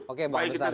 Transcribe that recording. oke bang gusari